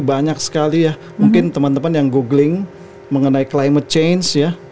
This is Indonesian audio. banyak sekali ya mungkin teman teman yang googling mengenai climate change ya